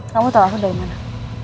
kamu tahu aku dari mana